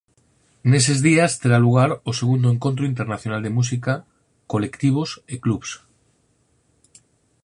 Neses días terá lugar o segundo encontro internacional de música, colectivos e clubs.